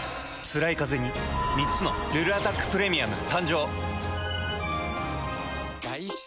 つらいカゼに３つの「ルルアタックプレミアム」誕生。